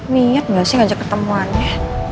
niat gak sih ngajak ketemuannya